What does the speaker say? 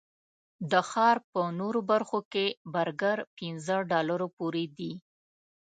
د ښار په نورو برخو کې برګر پنځه ډالرو پورې دي.